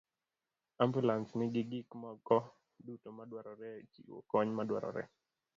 ambulans nigi gik moko duto madwarore e chiwo kony madwarore.